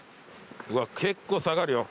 うわ結構下がるよ。